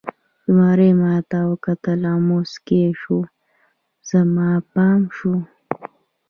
زمري ما ته وکتل او موسکی شو، زما پام شو.